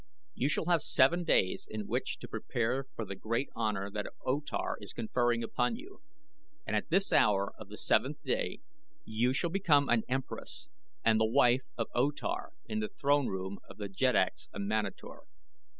You shall have seven days in which to prepare for the great honor that O Tar is conferring upon you, and at this hour of the seventh day you shall become an empress and the wife of O Tar in the throne room of the jeddaks of Manator."